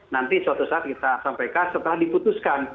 nanti suatu saat kita sampaikan setelah diputuskan